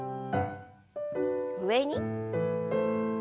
上に。